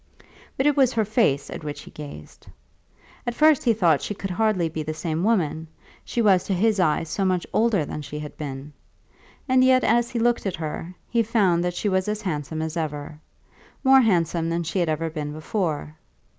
But it was her face at which he gazed. At first he thought that she could hardly be the same woman, she was to his eyes so much older than she had been! And yet as he looked at her, he found that she was as handsome as ever, more handsome than she had ever been before.